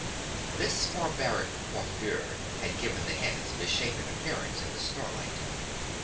This barbaric coiffure had given the head its misshapen appearance in the starlight.